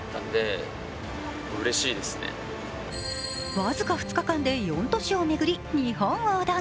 僅か２日間で４都市を巡り、日本横断。